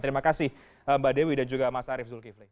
terima kasih mbak dewi dan juga mas arief zulkifli